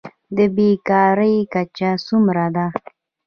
د بیکارۍ کچه څومره ده؟